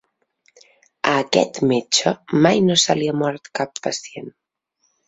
A aquest metge mai no se li ha mort cap pacient.